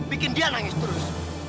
bikin dia nangis terus